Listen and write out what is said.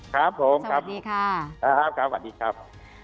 ครับผมสวัสดีค่ะสวัสดีครับ